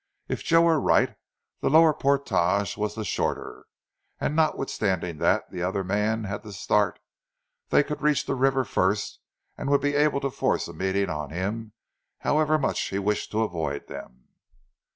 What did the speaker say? If Joe were right the lower portage was the shorter, and, notwithstanding that the other man had the start, they could reach the river first and would be able to force a meeting on him however much he wished to avoid them.